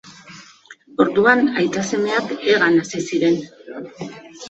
Orduan aita-semeak hegan hasi ziren.